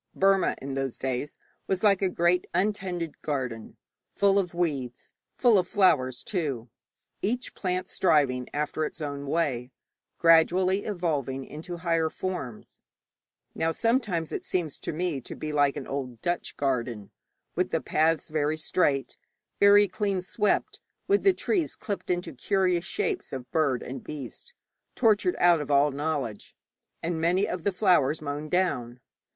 Burma in those days was like a great untended garden, full of weeds, full of flowers too, each plant striving after its own way, gradually evolving into higher forms. Now sometimes it seems to me to be like an old Dutch garden, with the paths very straight, very clean swept, with the trees clipped into curious shapes of bird and beast, tortured out of all knowledge, and many of the flowers mown down.